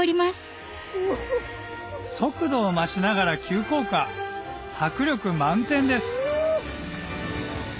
速度を増しながら急降下迫力満点です！